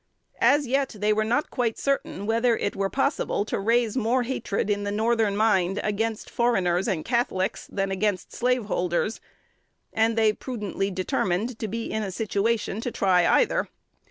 As yet, they were not quite certain whether it were possible to raise more hatred in the Northern mind against foreigners and Catholics than against slaveholders; and they prudently determined to be in a situation to try either.